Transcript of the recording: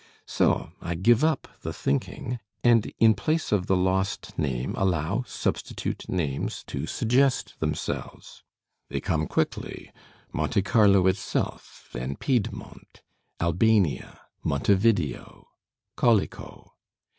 So I give up the thinking, and in place of the lost name allow substitute names to suggest themselves. They come quickly Monte Carlo itself, then Piedmont, Albania, Montevideo, Colico.